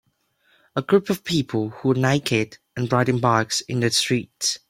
A group of people who are naked and riding bikes in the streets.